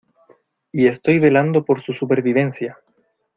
y estoy velando por su supervivencia.